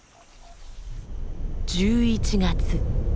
１１月。